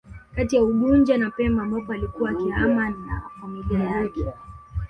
Kati ya unguja na pemba ambapo alikuwa akihama na familia yake